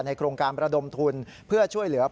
โครงการประดมทุนเพื่อช่วยเหลือ